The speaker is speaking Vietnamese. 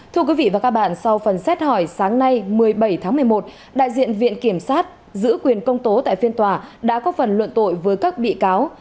thưa quý vị và các bạn sau phần xét hỏi sáng nay một mươi bảy tháng một mươi một đại diện viện kiểm sát giữ quyền công tố tại phiên tòa đã có phần luận tội với các bị cáo